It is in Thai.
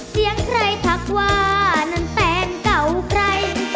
เสียงใครทักว่านั้นแฟนเก่าใคร